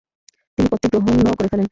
তিনি পদটি গ্রহণও করে ফেলেন।